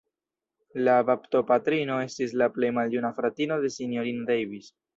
La baptopatrino estis la plej maljuna fratino de Sinjorino Davis.